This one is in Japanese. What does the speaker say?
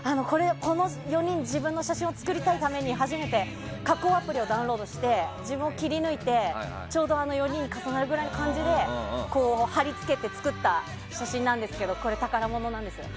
この４人、自分の写真を作りたいがために、初めて加工アプリをダウンロードして自分を切り抜いてちょうど４人重なるぐらいの感じで貼り付けて作った写真なんですけど宝物なんですよ。